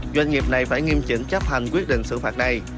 doanh nghiệp này phải nghiêm chỉnh chấp hành quyết định xử phạt này